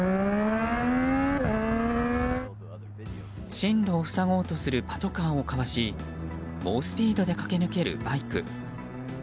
進路を塞ごうとするパトカーをかわし猛スピードで駆け抜けるバイク。